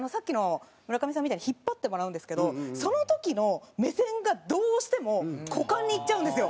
村上さんみたいに引っ張ってもらうんですけどその時の目線がどうしても股間にいっちゃうんですよ。